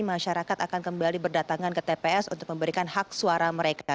masyarakat akan kembali berdatangan ke tps untuk memberikan hak suara mereka